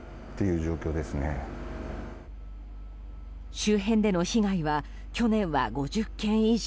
周辺での被害は去年は５０件以上。